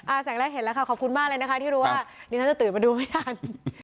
แสงแรกเห็นแล้วค่ะขอบคุณมากเลยนะคะที่รู้ว่าดิฉันจะตื่นมาดูไม่ทัน